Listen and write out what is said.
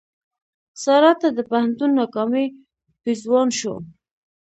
سارا ته د پوهنتون ناکامي پېزوان شو.